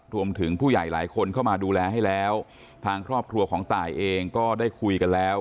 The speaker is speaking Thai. ผู้ใหญ่หลายคนเข้ามาดูแลให้แล้วทางครอบครัวของตายเองก็ได้คุยกันแล้ว